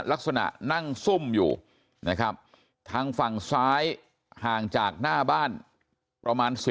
ลักษณะนั่งซุ่มอยู่นะครับทางฝั่งซ้ายห่างจากหน้าบ้านประมาณ